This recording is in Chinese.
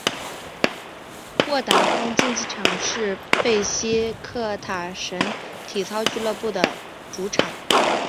沃达丰竞技场是贝西克塔什体操俱乐部的主场。